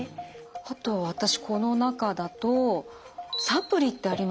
あと私この中だと「サプリ」ってありますよね。